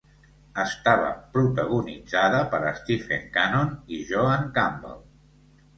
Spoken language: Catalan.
Estava protagonitzada per Stephen Cannon i Joanne Campbell.